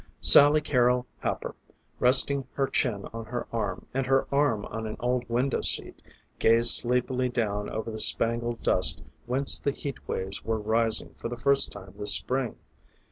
Sally Carrol Happer, resting her chin on her arm, and her arm on an old window seat, gazed sleepily down over the spangled dust whence the heat waves were rising for the first time this spring.